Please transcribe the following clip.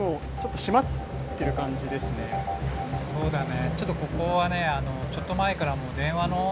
そうだね。